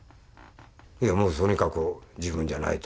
いやもうとにかく自分じゃないと。